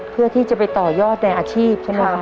เพื่อที่จะไปต่อยอดในอาชีพใช่ไหมคะ